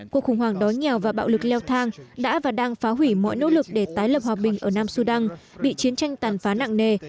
cuộc khủng hoảng đói nghèo và bạo lực leo thang đã và đang phá hủy mọi nỗ lực để tái lập hòa bình ở nam sudan bị chiến tranh tàn phá nặng nề